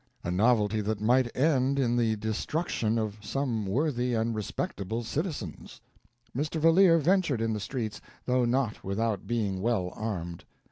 A novelty that might end in the destruction of some worthy and respectable citizens. Mr. Valeer ventured in the streets, though not without being well armed.